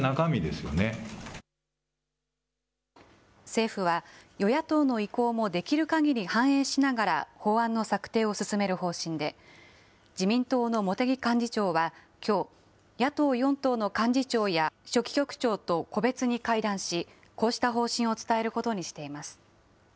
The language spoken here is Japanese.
政府は、与野党の意向もできるかぎり反映しながら法案の策定を進める方針で、自民党の茂木幹事長はきょう、野党４党の幹事長や書記局長と個別に会談し、こうした方針を伝えることにしています。